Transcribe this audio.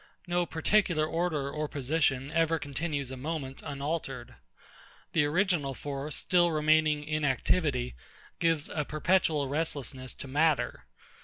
No particular order or position ever continues a moment unaltered. The original force, still remaining in activity, gives a perpetual restlessness to matter.